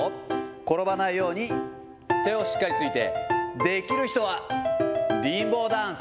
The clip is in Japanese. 転ばないように手をしっかりついて、できる人はリンボーダンス。